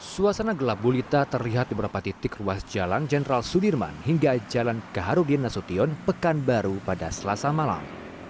suasana gelap gulita terlihat di beberapa titik ruas jalan jenderal sudirman hingga jalan kaharudin nasution pekanbaru pada selasa malam